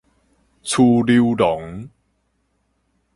趨溜廊